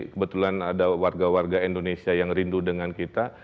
kebetulan ada warga warga indonesia yang rindu dengan kita